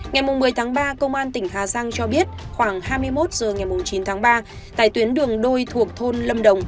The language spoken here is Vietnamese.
ngày một mươi tháng ba công an tỉnh hà giang cho biết khoảng hai mươi một h ngày chín tháng ba tại tuyến đường đôi thuộc thôn lâm đồng